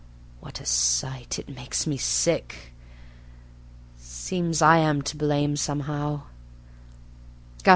What a sight! It makes me sick. Seems I am to blame somehow.